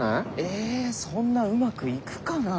えそんなうまくいくかなぁ。